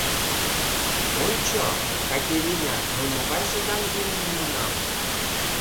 «Ончо, Катерина, мый могай шыдаҥ вуйым муынам!».